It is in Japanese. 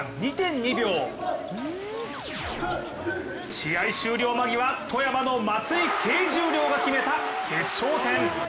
試合終了間際、富山の松井啓十郎が決めた決勝点。